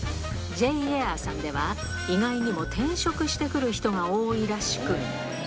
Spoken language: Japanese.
ジェイエアさんは、意外にも転職してくる人が多いらしく。